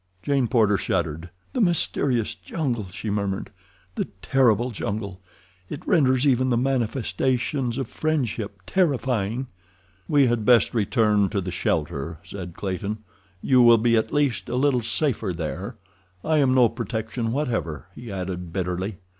Jane Porter shuddered. "The mysterious jungle," she murmured. "The terrible jungle. It renders even the manifestations of friendship terrifying." "We had best return to the shelter," said Clayton. "You will be at least a little safer there. I am no protection whatever," he added bitterly.